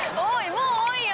もう多いよ